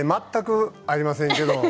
全くありませんけど。